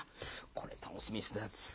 これ楽しみにしてたやつ。